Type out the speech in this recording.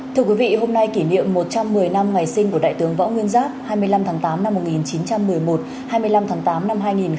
thưa quý vị hôm nay kỷ niệm một trăm một mươi năm ngày sinh của đại tướng võ nguyên giáp hai mươi năm tháng tám năm một nghìn chín trăm một mươi một hai mươi năm tháng tám năm hai nghìn một mươi chín